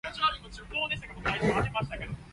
你有啲似我老豆